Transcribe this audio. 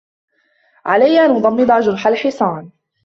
عليّ أن أضمّد جرح الحصان.